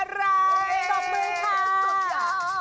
ปรบมือค่ะปรบมือ